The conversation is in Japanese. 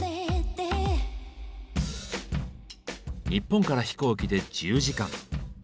日本から飛行機で１０時間。